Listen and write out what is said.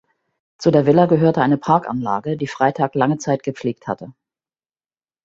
Zu der Villa gehörte eine Parkanlage, die Freytag lange Zeit gepflegt hatte.